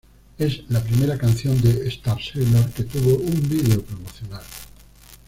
Es la primera canción de Starsailor que tuvo un video promocional.